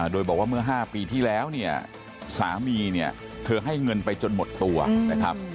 โดยบอกว่าเมื่อ๕ปีที่แล้วเนี่ยสามีเนี่ยเธอให้เงินไปจนหมดตัวนะครับ